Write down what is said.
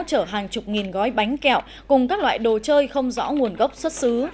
chở hàng chục nghìn gói bánh kẹo cùng các loại đồ chơi không rõ nguồn gốc xuất xứ